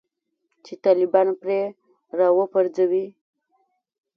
چې طالبان پرې راوپرځوي